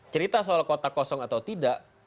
cerita soal kota kosong atau tidak